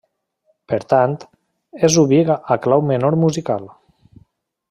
Per tant, és ubic a clau menor musical.